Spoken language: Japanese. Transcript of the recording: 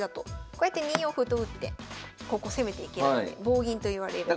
こうやって２四歩と打ってここ攻めていけるので棒銀といわれる。